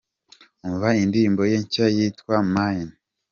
Umva indirimbo ye nshya yitwa "Mine".